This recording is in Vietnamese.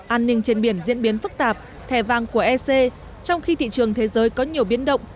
an ninh trên biển diễn biến phức tạp thẻ vàng của ec trong khi thị trường thế giới có nhiều biến động